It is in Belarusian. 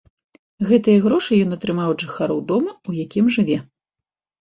Гэтыя грошы ён атрымаў ад жыхароў дома, у якім жыве.